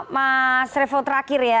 mas revo terakhir ya